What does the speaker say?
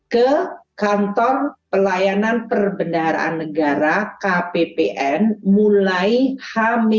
ke kantor pelayanan perbendaharaan negara kppn mulai h dua